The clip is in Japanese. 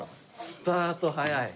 スタート早い。